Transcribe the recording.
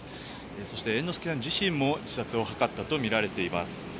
そして、猿之助容疑者自身も自殺を図ったとみられています。